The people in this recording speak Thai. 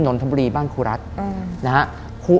นนทบุรีบ้านครูรัฐนะฮะ